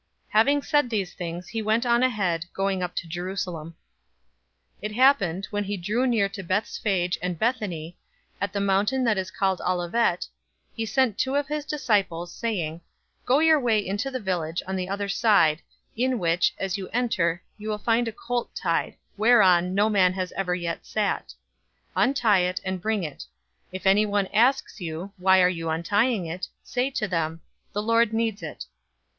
'" 019:028 Having said these things, he went on ahead, going up to Jerusalem. 019:029 It happened, when he drew near to Bethsphage{TR, NU read "Bethpage" instead of "Bethsphage"} and Bethany, at the mountain that is called Olivet, he sent two of his disciples, 019:030 saying, "Go your way into the village on the other side, in which, as you enter, you will find a colt tied, whereon no man ever yet sat. Untie it, and bring it. 019:031 If anyone asks you, 'Why are you untying it?' say to him: 'The Lord needs it.'"